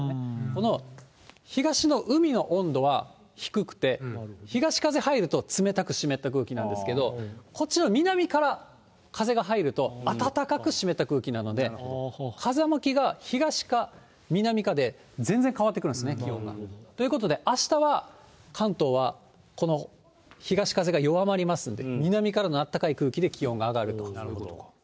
この東の海の温度は、低くて、東風入ると、冷たく湿った空気なんですけど、こっちの南から風が入ると、暖かく湿った空気なので、風向きが東か南かで全然変わってくるんですね、気温が。ということで、あしたは関東はこの東風が弱まりますんで、南からのあったかい空気で気温が上がるようになると。